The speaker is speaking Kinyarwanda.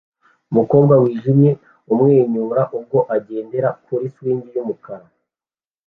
Umukobwa wijimye amwenyura ubwo agendera kuri swing yumukara